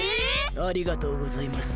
ありがとうございます。